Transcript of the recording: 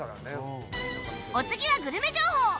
お次はグルメ情報。